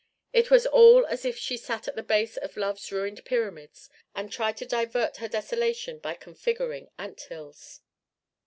It was all as if she sat at the base of Love's ruined Pyramids and tried to divert her desolation by configuring ant hills.